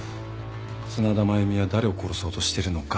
砂田繭美が誰を殺そうとしてるのか。